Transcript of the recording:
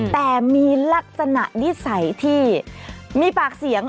แต่มีลักษณะนิสัยที่มีปากเสียง